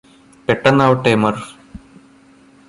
പെട്ടെന്നാവട്ടെ മര്ഫ്